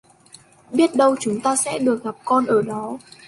Biết đâu chúng ta sẽ gặp được con ở đó